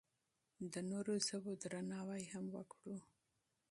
د نورو ژبو درناوی هم وکړو.